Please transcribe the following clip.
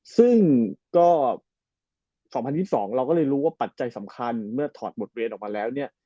ซึ่งก็๒๐๒๒เราก็เลยรู้ว่าปัจจัยสำคัญเมื่อถอดบทเรียนออกมาแล้วเนี่ย